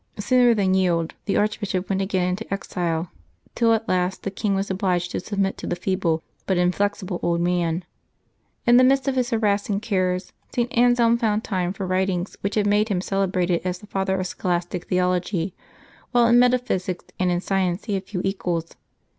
Sooner than yield, the archbishop went again into exile, till at last the king was obliged to submit to the feeble but inflexible old man. In the midst of his harassing cares, St. Anselm found time for writings which have made him celebrated as the father of scholastic theology ; while in metaphysics and in science he had few equals.